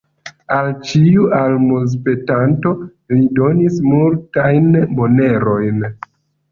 Al ĉiu almozpetanto li donis multajn monerojn.